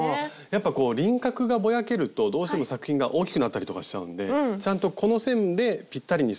やっぱこう輪郭がぼやけるとどうしても作品が大きくなったりとかしちゃうんでちゃんとこの線でぴったりにするっていう。